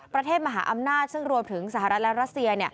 ประเทศมหาอำนาจซึ่งรวมถึงสหรัฐและรัสเซีย